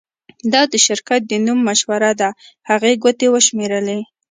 دا د شرکت د نوم مشوره ده هغې ګوتې وشمیرلې